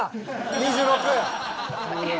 ２６。